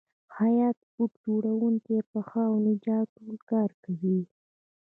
خیاط، بوټ جوړونکی، پښ او نجار ټول کار کوي